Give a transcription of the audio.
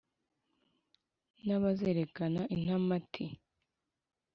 N’abazereka intamati